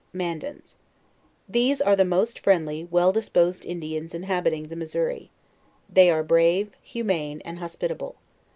MANDANS. These are the most friendly, well disposed In dians inhabiting the Missouri. They are brave, humane, and hospitable.